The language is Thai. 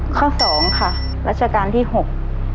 ข้อสองค่ะรัชกาลที่หก